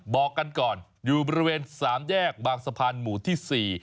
บอกกันก่อนอยู่บริเวณสามแยกบางสะพานหมู่ที่๔